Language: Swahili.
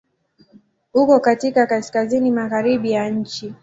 Uko katika Kaskazini magharibi ya nchi.